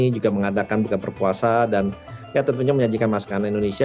juga mengadakan bukaan perpuasa dan ya tentunya menyajikan masakan indonesia